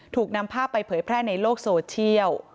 ถูกนำภาพไปเผยแพร่ในโลกโซเชียล